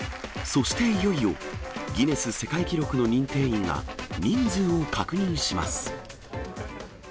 そして、いよいよ、ギネス世界記録の認定員が、人数を確認します。